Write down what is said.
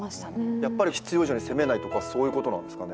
やっぱり必要以上に責めないとかそういうことなんですかね？